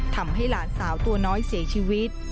ทำให้หลานสาวตัวน้อยเสียชีวิต